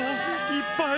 いっぱい。